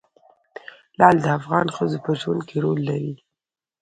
لعل د افغان ښځو په ژوند کې رول لري.